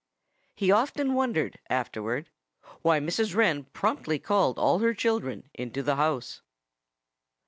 He often wondered, afterward, why Mrs. Wren promptly called all her children into the house.